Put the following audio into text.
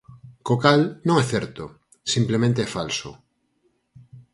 Co cal, non é certo; simplemente é falso.